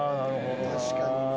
確かにね。